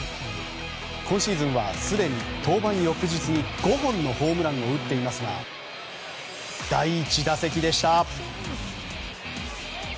今シーズンは、すでに登板翌日に５本のホームランを打っていますが第１打席でした。